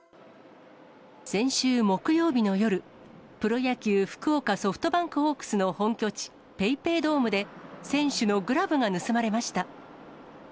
先週木曜日の夜、プロ野球・福岡ソフトバンクホークスの本拠地、ＰａｙＰａｙドームで、選手のグラブが盗まれました。